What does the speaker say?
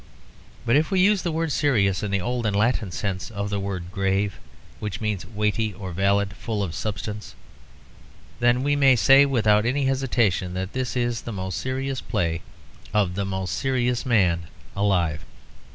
But if we use the word serious in the old and Latin sense of the word "grave," which means weighty or valid, full of substance, then we may say without any hesitation that this is the most serious play of the most serious man alive.